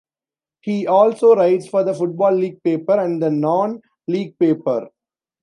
He also writes for the Football League Paper and the Non-League Paper.